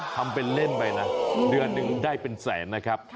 ทำเป็นเล่นไปนะเดือนหนึ่งได้เป็นแสนนะครับ